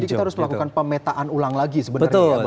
jadi kita harus melakukan pemetaan ulang lagi sebenarnya